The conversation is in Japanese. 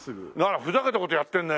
ふざけた事やってるね。